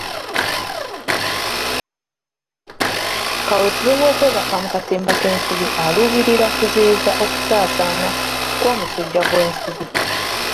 Kaweefube w'okwebaka mu katimba k'ensiri aluubirira kuziyiza okusaasaana kw'omusujja gw'ensiri.